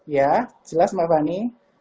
ya jelas mbak fani